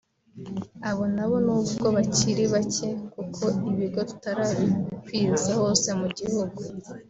Abo nabo nubwo bakiri bake kuko ibigo tutarabikwiza hose mu gihugu